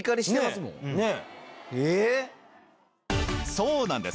そうなんです